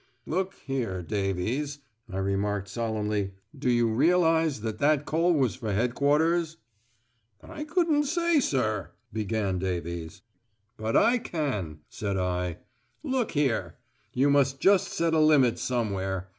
"Look here Davies," I remarked solemnly, "do you realise that that coal was for headquarters ..." "I couldn't say, sir," began Davies. "But I can," said I. "Look here, you must just set a limit somewhere.